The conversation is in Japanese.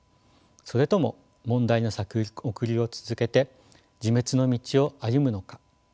それとも問題の先送りを続けて自滅の道を歩むのか。